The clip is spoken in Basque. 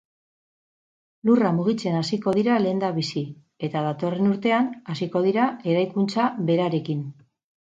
Lurra mugitzen hasiko dira lehendabizi, eta datorren urtean hasiko dira eraikuntza berarekin.